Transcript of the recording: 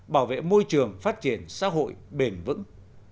bảo vệ môi trường phát triển xã hội bền vững